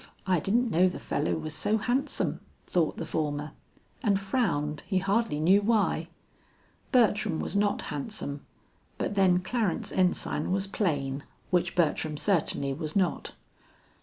I didn't know the fellow was so handsome!" thought the former, and frowned he hardly knew why. Bertram was not handsome, but then Clarence Ensign was plain, which Bertram certainly was not.